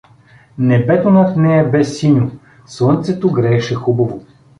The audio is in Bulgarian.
Небето над нея бе синьо, слънцето грееше хубаво.